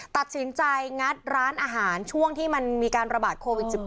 ตัดสินใจงัดร้านอาหารช่วงที่มันมีการระบาดโควิด๑๙